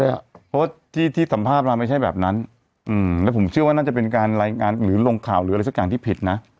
เมื่อกี้สิ่งที่สัมภาพรันเป็นแบบนั้นผมเชื่อว่าน่าจะเป็นการรายงานลงข่าวหรืออะไรซักอย่างที่ผิดนะ